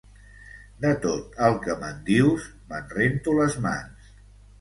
De tot el que em dius, me'n rento les mans.